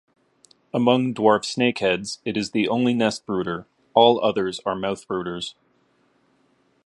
Among dwarf snakeheads, it is the only nestbrooder; all others are mouthbrooders.